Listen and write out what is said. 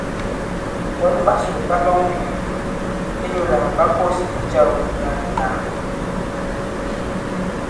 Ɓɔ̌n ɓasò ɓa nɔ̄k munyɛ̀ŋgɛ̀ inyū lā ɓa kǒs bicàwɛ nyàà-lì- nyàà.